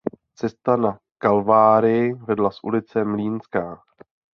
Cesta na Kalvárii vedla z ulice Mlýnská.